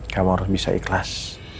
kamu harus bisa ikhlas